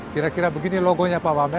kira kira begini logonya pak wamen